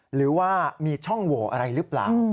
หรือว่ามีช่องโหวอะไรหรือเปล่า